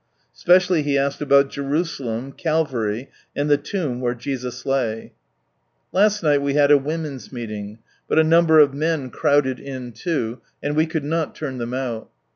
Specially he asked about Jerusalem, Calvary, and the tomb where Jesus lay. Last night we had a women's meeting, but a number of r and we could not turn them out.